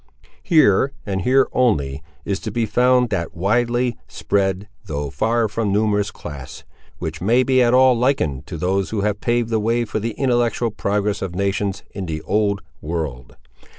Here, and here only, is to be found that widely spread, though far from numerous class, which may be at all likened to those who have paved the way for the intellectual progress of nations, in the old world.